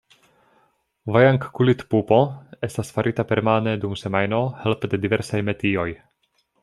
Vajang-Kulit-pupo estas farita permane dum semajno helpe de diversaj metioj.